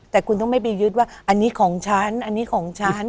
แต่คุณต้องไม่ไปยึดว่าอันนี้ของฉันอันนี้ของฉัน